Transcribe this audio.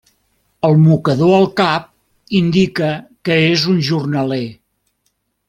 El mocador al cap indica que és un jornaler.